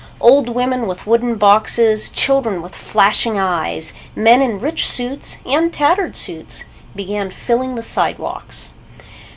Old women with wooden boxes, children with flashing eyes, men in rich suits and tattered suits began filling the sidewalks.